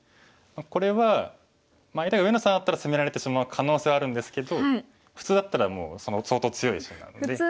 これは相手が上野さんだったら攻められてしまう可能性はあるんですけど普通だったらもう相当強い石なので。